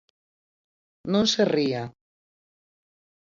Non se ría.